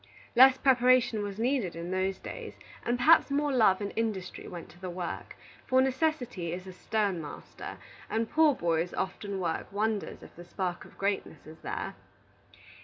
Less preparation was needed in those days, and perhaps more love and industry went to the work; for necessity is a stern master, and poor boys often work wonders if the spark of greatness is there.